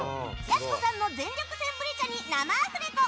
やす子さんの全力センブリ茶に生アフレコ